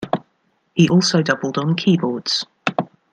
He also doubled on keyboards.